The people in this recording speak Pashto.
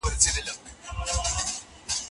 ماته مه راځه خزانه زه پخوا یم رژېدلی